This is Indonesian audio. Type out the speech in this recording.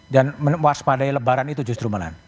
dan melepas padai lebaran itu justru melan